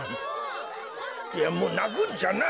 いやもうなくんじゃない。